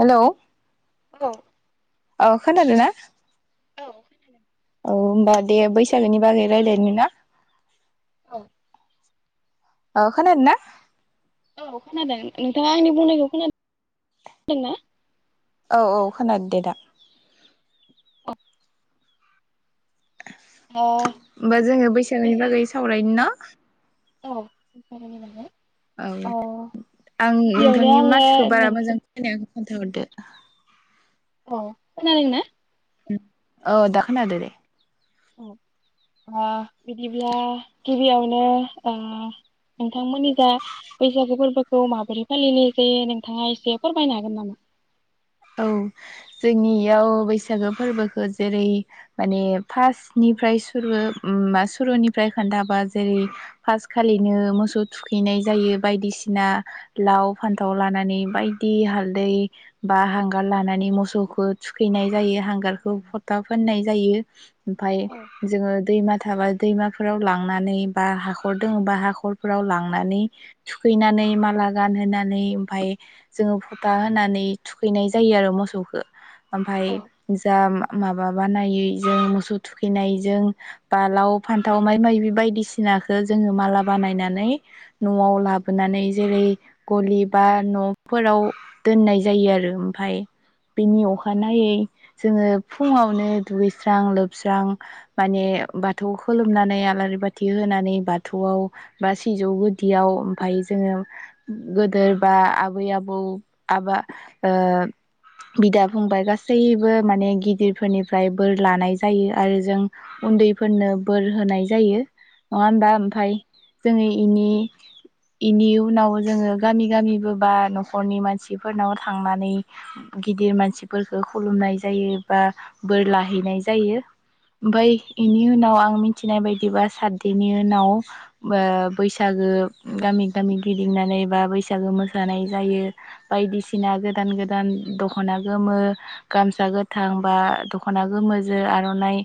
Hello औ औ खोनादोंना औ औ होमबा दे बैसागोनि बागै रायजलायनो ना औ अ खोनादोंना औ खोनादों नोंथाङा आंनि बुंनायखौ खोनादों खोनादोंना औ औ खोनादों दे दा औ होमबा जोङो बैसागोनि बैसागो बागै सावरायनो ना औ औ आं गिबियावनो नोंथांनि आङो माथोखौ नों बारा मोजां खोनायाखै खोनथाहरदो अ खोनादोंंना औ दा खोनादों दे औ बिदिब्ला गिबियावनो नोंथांमोननि जा बैसागु फोरबोखौ माबोरै फालिनाय जायो नोंथाङा एसे फोरमायनो हागोन नामा औ जोंनियाव बैसागो फोरबोखौ जेरै माने फार्स्टनिफ्राय सुरु सुरुनिफ्राय खोन्थाबा जेरै फार्स्ट खालिनो मोसौ थुखैनाय जायो बायदिसिना लाव फान्थाव लानानै बायदि हालदै बा हांगार लानानै मोसौखौ थुखैनाय जायो हांगारखौ फथा फाननाय जायो ओमफफ्राय औ जोङो दैमा थाबा दैमाफोराव लांनानै बा हाखर दङ बा हाखरफोराव लांनानै थुखैनानै माला गानहोनानै ओमफाय जोङो फथा होनानै थुखैनाय जायो आरो मोसौखौ ओमफफ्राय औ जा माबा बानायै जों मोसौ थुखैनायजों बा लाव फान्थाव माइ माइि बायदिसिनाखौ जोङो माला बानायनानै न'आव लाबोनानै जेरै गलि बा न'फोराव दोननाय जायो आरो ओमफफ्राय बेनि अखानायै जोङो फुङावनो दुगैस्रां लोबस्रां माने बाथौ खोलोमनानै आलारि बाथि होनानै बाथौआव बा सिजौ गुदियाव ओमफाय जोङो गोदोर बा आबै आबौ आबा बिदा फंबाय गासैबो माने गिदिरफोरनिफ्राय बोर लानाय जायो आरो जों उन्दैफोरनो बोर होनाय जायो। नङा औ होनबा ओमफ्राय जोंनि इनि इनि उनाव जोङो गामि गामिबो बा न'खरनि मानसिफोर फोरनाव थांनानै गिदिर मानसिफोरफोरखौ खुलुमनाय जायो बा बोर लाहैनाय जायो ओमफाय बेनि उनाव आं मिथिनाय बायदिबा साथदिननि उनाव बैसागो गामि गामि गिदिंनानै बा बैसागु मोसानाय जायो। बायदिसिना गोदान गोदान दख'ना गोमो गामसा गोथां बा दख'ना गोमोजों आर'नाइ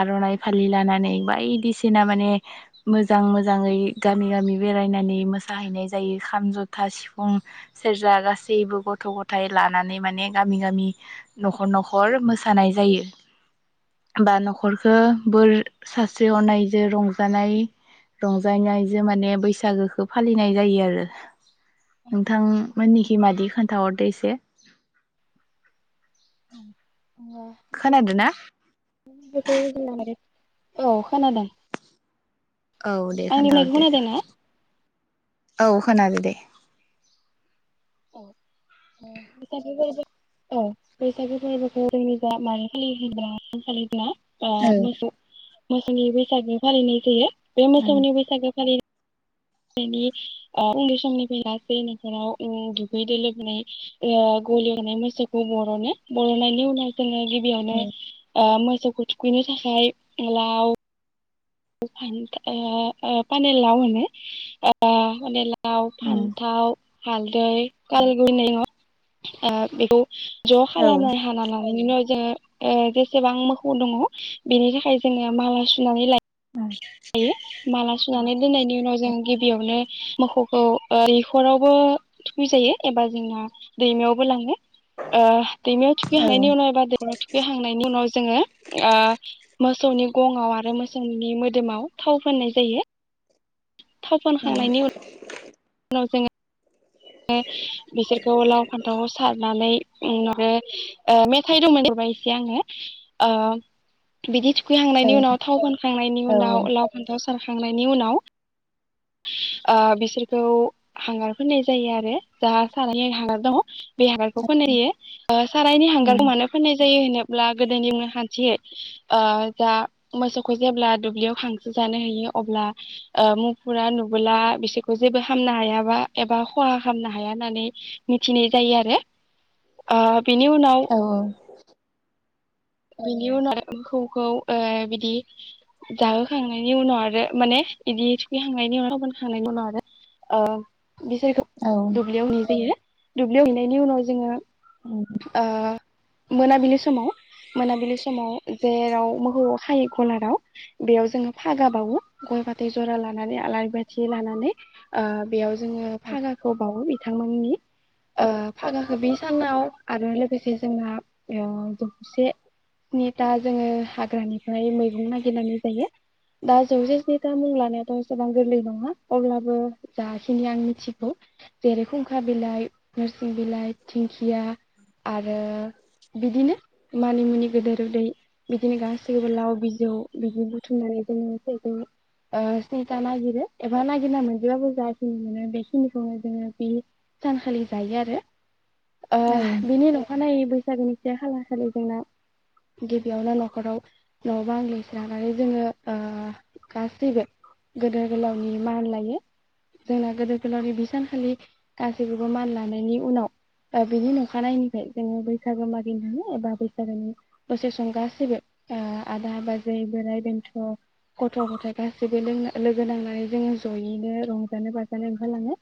आर'नाइ फालि लानानै बायदिसिना माने मोजां मोजाङै गामि गामि बेरायनानै मोसाहैनाय जायो खाम, जथा, सिफुं, सेरजा गासैबो गासैबो गथ'-गथाय लानानै माने गामि-गामि न'खर न'खर मोसानाय जायो बा न'खर ओ बोर सास्रिहरनाय जों रंजानाय रंजानायजों माने बैसागोखौ फालिनाय जायो आरो औ नोंथांमोननि मादि खोनथाहरदो एसे ओं खोनादों ना? [unintelligible] औ खोनादों औ दे आंनि बुंनायखौ खोन्थाहरदो खोनादों ना? औ खोनादों दे औ बैसागो फोरबोखौ औ बैसागु फोरबोखौ जोंनि जा मानो फालियो फालिबा [unintelligible] आ औ मोसौ मोसौनि बैसागु फालिनाय जायो। बे औ मोसौनि बैसागो फालि नि आ उन्दै समनिफ्राय लासै न'खराव दुगैयै लोबै ओ गलियाव थानाय मोसौखौ बर'नो बर'नायनि उनाव औ गिबियावनो ओ सौखौ थुखैनो थाखाय लाव फानि लाव आ फानि लाव होनो आ बा लाव, औ फान्थाव हालदै, काल गयनायङ आ बेखौ ज' औ खालामना हाना लानायनि जो ओ जसेबां मोखौ दङ बेनि थाखाय जों माला सुनानै लायो। जायो माला सुनानै दोननायनि उनाव जों गिबियावनो मोखौखौ दैख'रावबो थुखैजायो एबा जोंना दैमायावबो लाङो। आ दैमायाव औ थुखैखांनायनि उनाव एबा दैमायाव थुखैखांनायनि उनाव जोङो मोसौनि ग'ङाव आरो मोसौनि मो दोमाव थाव फुननाय जायो। थाव औ फुनखांनायनि उनाव जोङो बिसोरखौ लाव-फान्थावाव सारनानै उमरो ओ मेथाइ दंमोन जबा एसे आङो आ बिदि औ थुखैखांनायनि उनाव थाव फोनखांनायनि उनाव लाव फान्थाव खांनायनि उनाव ओ बिसोरखौ हांगार फुननाय जायो आरो जों सानाय हाग्रा दङ बे हांगारखौ फुनहोयो सारायनि हांगारखौ मानो फुननाय जायो होनोब्ला गोदोनि हान्थियै ओ जा मोसौखौ जेब्ला दुब्लियाव खांसो जानो होयो अब्ला मुफुरा नुबोला बिसोरखौ जेबो हामनो हायाबा एबा खहा खालामनो हाया होननानै मिथिनाय जायो आरो ओ बेनि औ बिनि उनाव मोखौ खौ ओ बिदि जाहोखांनायनि उनाव आरो माने बिदि थुखैखांनायनि उनावोनखांनायनि उनाव आरो ओ बिसोरखौ दुब्लियाव ने जायो दुब्लियाव हैनायनि उनाव जोङो ओ मोनाबिलिनि समाव मोनाबिलि समाव जेराव मोहौ खायो गलाव बेयाव जोङो फागा बावो गय फाथै जरा लानानै आलारि बाथि लानानै बेयाव जोङो फागाखौ बावो बे बिथांमोननि ओ फागाखौ बे सानाव आरो लोगोसे जोंना ओ जौसे स्निथा जोङो हाग्रानिफ्राय मैगं नागिरनानै जायो दा जौसे स्निथा मुं लानायाथ' जसेबां गोरलै नङा अब्लाबो जाखिनि आं मिथिगौ जेरै खुंखा बिलाइ नोरसिं बिलाइ दिंखिया आरो बिदिनो मानिमुनि गोदेर उदै बिदिनो गासैखौबो लाव बिजौ बिदि बुथुमनानै जोङो सेजौ ओ स्निथा नागिरो एबा नागिरना मोनजबाबो जाखिनि मोनो बेखिनिखौनो जोङो बे सानखालि जायो आरो ओ बिनि नखानायै गोन एसे हाला खालि जोंना गिबियावनो न'खराव न' बां लिरस्रांनानै जोङो ओ गासैबो गोदोर गोलावनि मान लायो जोंना गिदोर गोलावनि बि सानखालि गासैखौबो मान लानायनि उनाव बिनि अखानायनायनिफ्राय जोङो बैसागो मागिनो थाङो एबा बैसागोनि दसे सम गासैबो ओ आदा बाजै बोराइ बेन्थ' गथ' गथाइ गासैबो लों लोगो नांनानै जोङो जयैनो रंजानो बाजानो ओंखारलाङो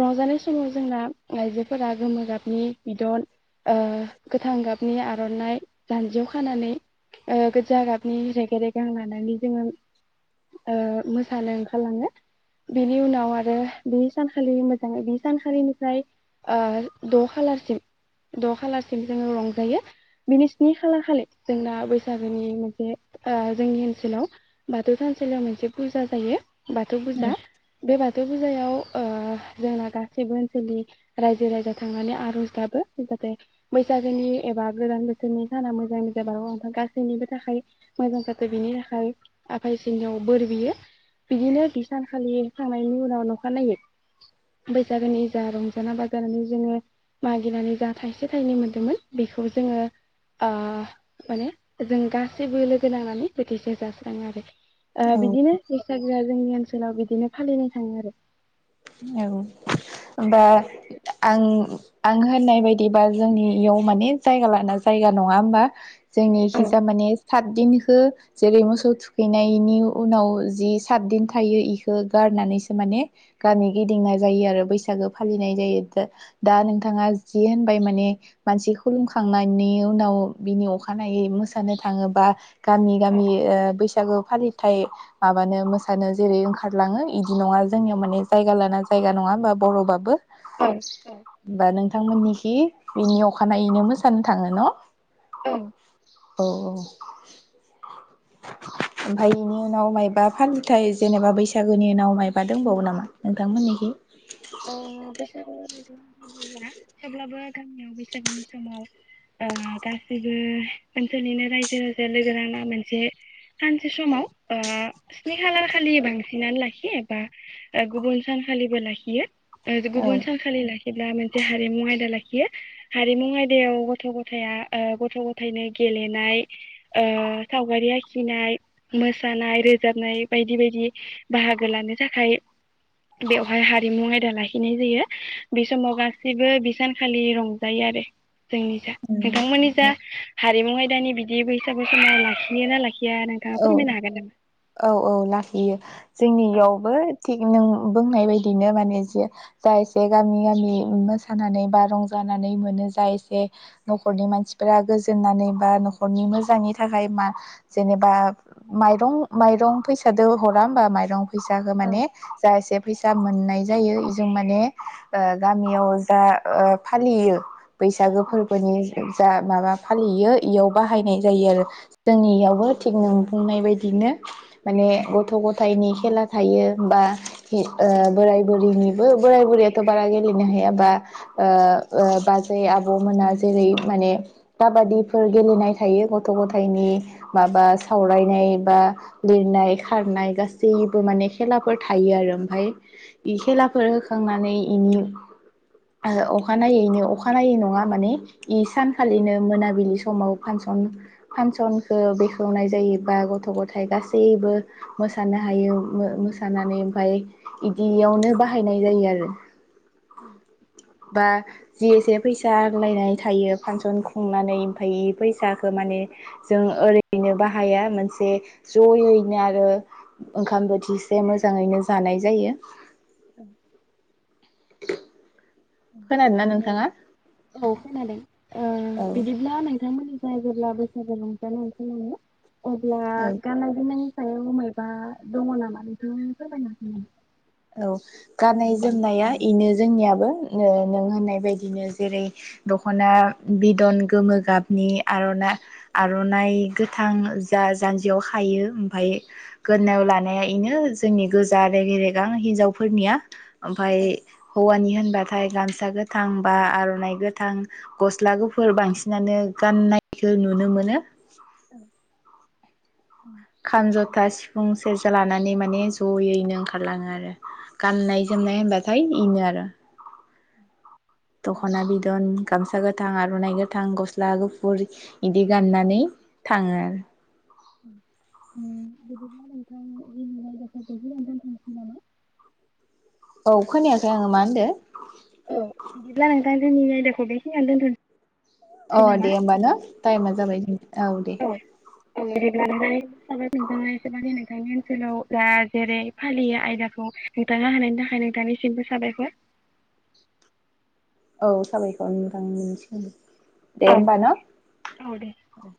रंजानाय समाव जोंना आइजोफोरा गोमो गाबनि बिदन गोथां गाबनि आर'नाइ जानजियाव खानानै गोजा गाबनि रेग रेगां लानानै जोङो ओ मोसानो ओंखारलाङो बेनि उनाव आरो बे सानखालि मोजाङै बे सानखालिनिफ्राय द' खालारसिम द' खालारसिम जोङो रंजायो बिनि स्नि खालार खालि जोंना बैसागोनि मोनसे जोंनि ओनसोलाव बाथौ थानसालियाव मोनसे फुजा जायो बाथौ फुजा बे बाथौ फुजायाव ओ जोंना गासैबो ओनसोलनि रायजो राजा थांनानै आर'ज गाबो जाहाथे बैसागोनि एबा गोदान बोसोर नि साना मोजाङै मोजांनिबो ओम गासैनिबो थाखाय मोजां जाथो बिनि थाखाय आफा इसनियाव बोर बियो बिदिनो बि सानखालि थांनायनि उनाव नखानायै बैसागोनि जा रं ना बाजानानै जोङो मागिनानै जा थाइसे थाइनै मोनदोंमोन बेखौ जोङो ओ माने जों गासैबो लोगो नांनानै बोथिसे जास्राङो आरो ओ औ बिदिनो बैसागोआ जोंनि ओनसोलाव बिदिनो फालिनाय थाङो आरो औ होमबा औ आं आं होननाय बायदिबा जोंनि इयाव माने जायगा लाना जायगा नङा होमबा जोंनि औ हिजा माने सातदिनखौ जेरै मोसौ थुखैनायनि उनाव जि सातदिन थायो बेखौ गारनानैसो माने गामि गिदिंनाय जायो आरो बैसागो फालिनाय जायो दा नोंथाङा जि होनबाय माने मानसि खुलुमखांनायनि उनाव बिनि अखानायै मोसानो थाङोबा गामि गामि बैसागो फालिथाय माबानो मोसानो जेरै ओंखारलाङो बिदि नङा जोंनियाव माने जायगा लाना जायगा नङा होमबा बर'बाबो। हबा नोंथांमोननिखि बेनि अखानायैनो मोसानो थांङो न'? [unintelligible] औ औ ओमफ्राय बेनि उनाव मबा फानलिथाय जेनेबा बैसागोनि उनाव मबा दंबावो नामा नोंथांमोननिखै? [unintelligible] थेवब्लाबो गामियाव बैसागिनि समाव ओ गाैबो ओनसोलनिनो रायजो राजाया लोगो राजा मोनसे सानसे समाव स्नि खालार खालि बांसिनानो लाखियो एबा गुबुन सानखालिबो लाखियो। ओ औ गुबुन सानखालिलाय जेब्ला मोनसे हारिमु आयदा लाखियो हारिमु आयदायाव गथ' गथाया गथ' गथायाइनो गेलेनाय ओ सावगारि आखिनाय, मोसानाय, रोजाबनाय बायदि बायदि बाहागो लानो थाखाय बेवहाय हारिमु आयदा दा लाखिनाय जायो बे समाव गासिबो बिसानखालि रंजायो आरो। जोंनि जा नोंथांमोननि जा हारिमु आय दानि बिदिबो हिसाबै समा लाखिनो ना लाखि औ औ औ लाखियो। जोंनि इयावबो थिग नों बुंनाय बायदिनो माने जि जा एसे गामि गामि मोसानानै बा रंजानानै मोनो जा एसे न'खरनि मानसिफोरा गोजोननानै बा न'खरनि मोजांनि थाखाय मा जेनेबा बा माइरं माइरं फैसादो हरा होमबा माइरं। फैसाखौ औ माने जा एसे फैसा मोननाय जायो इजों नो माने ओ गामियाव जा ओ फालियो बैसागो फोरबोनि जा माबा फालियो इयाव बाहायनाय जायो आरो जोंनि इयावबो थिग नों बुंनाय बायदिनो माने गथ' गथायनि खेला थायो बा बोराय बुरैनिबो बोराय बुरैयाथ' बारा गेलेनो हायााबा बाजै आब'मोना जेरै माने काबादिफोर गेलेनाय थायो गथ' गथायाइनि माबा सावरायनाय बा लिरनाय खारनाय गासैबो माने खेलाफोर थायो आरो ओमफफ्राय इ खेलाफोर होखांनानै बेनि अखानायैनो अखानायै नंङा माने इ औ सानखालिनो मोनाबिलि स समाव फानसन फांसनखौ बे संनाय जायो बा गथ' गथायाइ गासैबो मोसानो हायो मोसानानै ओमफाय बिदियावनो बाहायनाय जायो आरो। बा जि एसे फैसा होनाय थायो फांसन खुंनानै ओमफाय फैसाखौ माने जों ओरै [unintelligible] बाहाया मोनसे जयैनो आरो ओंखाम बोथिसे मोजांङैनो जानाय जायो। [unintelligible] खोनादोंना नोंथाङा [unintelligible] औ खोनादों। ओ औ बिदिब्ला न नोंथांमोननि थिं जेब्ला बैसागु रंजानो ओंखायलाङो अब्ला औ गाननाय जोमनायनि सायाव अमायबा दंङ' नामा [unintelligible] औ गाननाय जोमनाया बेनो जोंनियाबो नों होननाय बायदिनो जेरै दख'ना बिदन गोमो गाबनि आर'नाइ आर'नाइ गोथां जा जान्जियाव हायो ओमफफ्राय गोनायाव लानाया बेनो जोंनि गोजा आरो जरै हिनजावफोरनिया ओमफफ्राय औ हौवानि होनना बाथाय गामसा गोथां बा आर'नाइ गोथां गस्ला गोफुर बांसिनानो गाननायखौ नुनो मोनो औ खाम जथा सिफुं सेरजा लानानै माने ज'यैनो ओंखारलाङो आरो गाननाय जोमनाय होनबाथाय एनो आरो उम दख'ना बिदन गाम- सा गोथां आर'नानाय गोथां गस्ला गुफुर इदि गाननानै थाङो आरो बिदिब्ला नोंथां जों आयदाफोरखौ गाहायै थांसै नामा औ खोनायाखै आङो मा होनदों बिदिबा दा जोंनि आयदाखौ बेखिनियावनो दोनथ'- अ दे होमब ना टाइमा जाबाय दे [unintelligible] नोंथांनि ओनसोलाव दा जेरै फालियो आयदाखौ नोंथाङा होनानायनि थाखाय नोंथांनिसिमबो साबायखर औ साबायखर नोंथां नोंनिसिम दे होमबा औ दे न